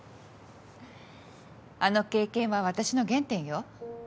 あの経験は私の原点よ。